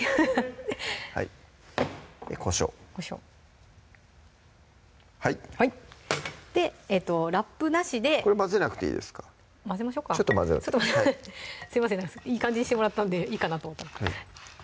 はいこしょうはいはいラップなしでこれ混ぜなくていいですか混ぜましょうかちょっと混ぜますいい感じにしてもらったんでいいかなと思った